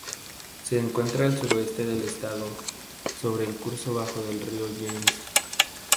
Se encuentra al suroeste del estado, sobre el curso bajo del río James.